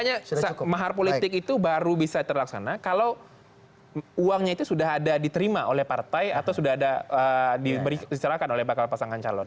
makanya mahar politik itu baru bisa terlaksana kalau uangnya itu sudah ada diterima oleh partai atau sudah ada diberi diserahkan oleh bakal pasangan calon